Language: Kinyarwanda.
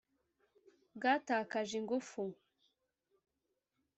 bwatakaje ingufu.